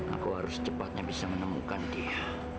aku harus cepatnya bisa menemukan dia